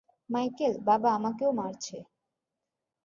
Michael, বাবা আমাকেও মারছে।